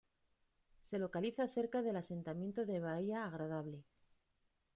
Se localiza cerca del asentamiento de Bahía Agradable.